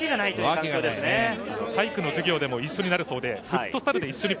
体育の授業でも一緒になるそうです。